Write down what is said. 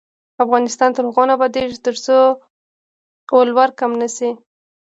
افغانستان تر هغو نه ابادیږي، ترڅو ولور کم نشي.